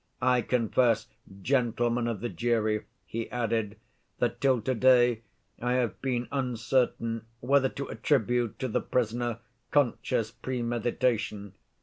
I confess, gentlemen of the jury," he added, "that till to‐day I have been uncertain whether to attribute to the prisoner conscious premeditation.